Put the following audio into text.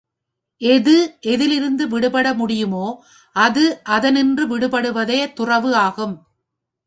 எது எதிலிருந்து விடுபட முடியுமோ அது அதனின்று விடுபடுவதே துறவு ஆகும்.